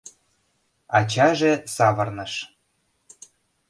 Ачаже савырныш.